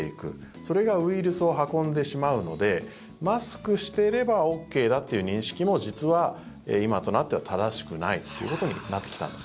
それがウイルスを運んでしまうのでマスクしていればＯＫだという認識も実は今となっては正しくないということになってきたんです。